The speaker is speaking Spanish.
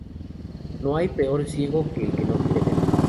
No hay peor ciego que el que no quiere ver